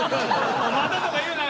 「また」とか言うなよ！